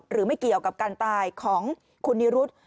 หรือไม่เกี่ยวกับการตายของคุณนิรุธ